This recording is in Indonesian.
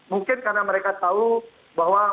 mungkin karena mereka tahu bahwa